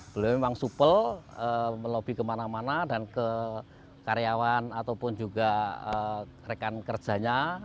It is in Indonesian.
beliau memang supel melobi kemana mana dan ke karyawan ataupun juga rekan kerjanya